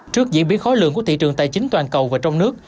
trước diễn biến khói lượng của thị trường tài chính toàn cầu và trong nước